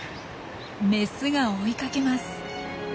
メスが追いかけます。